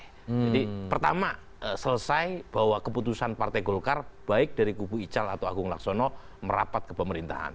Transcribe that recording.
jadi pertama selesai bahwa keputusan partai golkar baik dari gubu ical atau agung laksono merapat ke pemerintahan